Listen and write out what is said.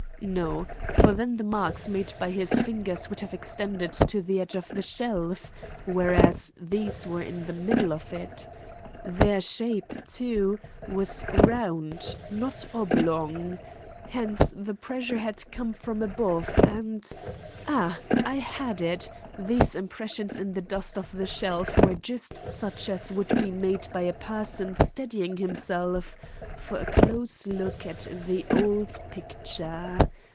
No; for then the marks made by his fingers would have extended to the edge of the shelf, whereas these were in the middle of it. Their shape, too, was round, not oblong; hence, the pressure had come from above and—ah! I had it, these impressions in the dust of the shelf were just such as would be made by a person steadying himself for a close look at the old picture.